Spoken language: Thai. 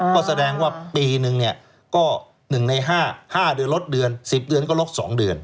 ก็แสดงว่าปีหนึ่ง๑ใน๕ลดเดือน๑๐เดือนก็ลด๒เดือน